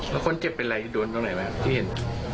แล้วคนเจ็บเป็นอะไรโดนตรงไหนไหมที่เห็น